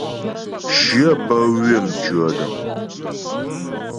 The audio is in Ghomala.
Shyə bə́ ywə̌ tʉ̂ɔdəŋ.